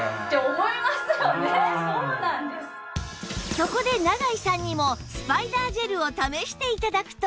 そこで永井さんにもスパイダージェルを試して頂くと